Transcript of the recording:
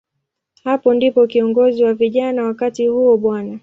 Hapo ndipo kiongozi wa vijana wakati huo, Bw.